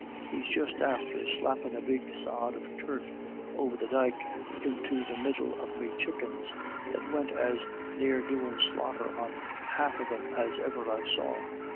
He's just after slappin' a big sod o' turf over the dyke into the middle of me chuckens, that went as nare doin' slaughther on the half of them as ever I saw.